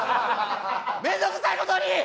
面倒くさいことに！